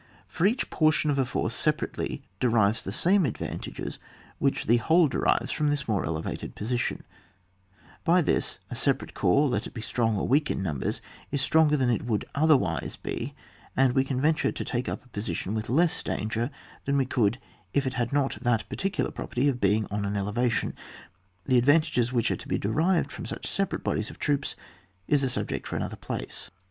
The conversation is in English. For each portion of a force separately derives the same advantages which the whole derives from this more elevated position ; by this — a separate corps, let it be strong or weak in numbers, is stronger than it would otherwise be, and we can venture to take up a position with less danger than we could if it had not that particu lar property of being on an elevation. The advantages which are to be derived from such separate bodies of troops is a subject for another place.